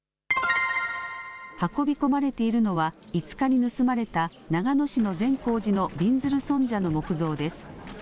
運び込まれているのは５日に盗まれた長野市の善光寺のびんずる尊者の木像です。